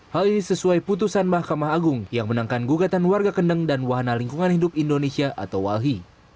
hal ini sesuai putusan mahkamah agung yang menangkan gugatan warga kendeng dan wahana lingkungan hidup indonesia atau walhi